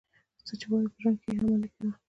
څه چي وايې په ژوند کښي ئې عملي کوه.